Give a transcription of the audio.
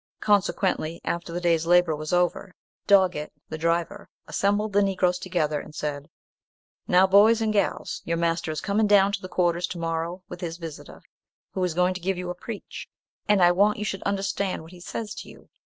Consequently, after the day's labour was over, Dogget, the driver, assembled the Negroes together and said, "Now, boys and gals, your master is coming down to the quarters to morrow with his visitor, who is going to give you a preach, and I want you should understand what he says to you.